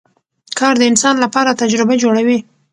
کار د انسان لپاره تجربه جوړوي